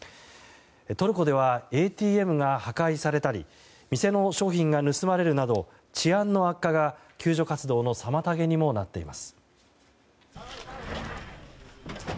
トルコではＡＴＭが破壊されたり店の商品が盗まれるなど治安の悪化が救助活動の妨げにもなっています。